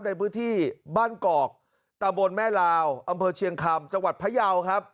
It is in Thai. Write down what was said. ในพื้นที่บ้านกอกตะบนแม่ลาวอำเภอเชียงคำจังหวัดพยาวครับ